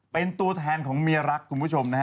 เป็นตัวแทนของเมียรักคุณผู้ชมนะฮะ